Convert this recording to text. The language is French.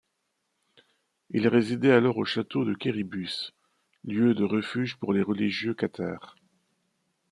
Il résidait alors au château de Quéribus, lieu de refuge pour les religieux cathares.